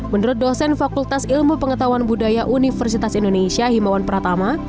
menurut dosen fakultas ilmu pengetahuan budaya universitas indonesia himawan pratama